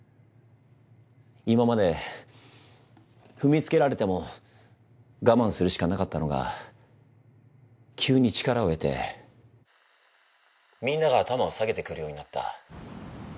今まで踏みつけられても我慢するしかなかったのが急に力を得てみんなが頭を下げてくるようになった。